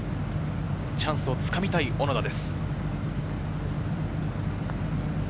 チャンスをつかみたい小野田です。